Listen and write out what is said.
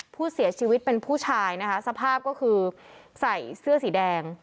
ผู้เสียชีวิตเป็นผู้ชายนะคะสภาพก็คือใส่เสื้อสีแดง